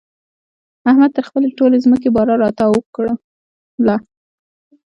احمد تر خپلې ټولې ځمکې باره را تاو کړله.